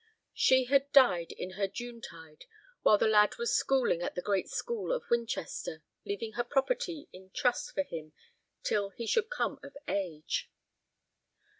She had died in her Junetide while the lad was schooling at the great school of Winchester, leaving her property in trust for him till he should come of age.